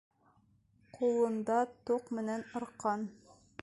Ҡулында тоҡ менән арҡан.